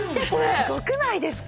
すごくないですか？